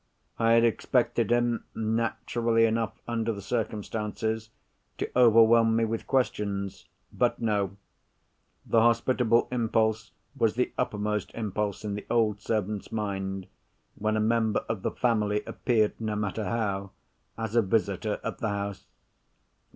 I had expected him, naturally enough under the circumstances, to overwhelm me with questions. But no—the hospitable impulse was the uppermost impulse in the old servant's mind, when a member of the family appeared (no matter how!) as a visitor at the house.